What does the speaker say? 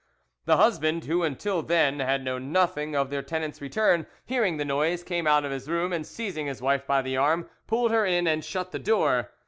"The husband, who until then had known nothing of their tenant's return, hearing the noise, came out of his room, and, seizing his wife by the arm, pulled her in and shut the door.